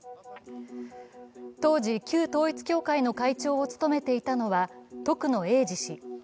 当時、旧統一教会の会長を務めていたのは徳野英治氏。